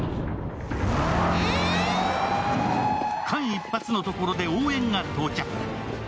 間一髪のところで応援が到着。